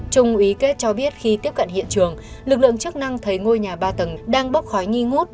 trung úy kết cho biết khi tiếp cận hiện trường lực lượng chức năng thấy ngôi nhà ba tầng đang bốc khói nghi ngút